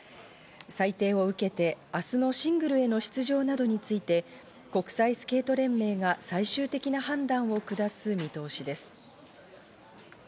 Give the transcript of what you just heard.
裁定を受けて、明日のシングルへの出場などについて国際スケート連盟が最終的な判断を下す見通しです。